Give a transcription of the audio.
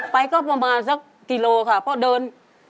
ไปก็ประมาณสักกิโลค่ะเพราะเดิน